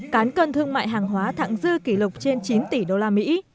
cán cân thương mại hàng hóa thẳng dư kỷ lục trên chín tỷ đô la mỹ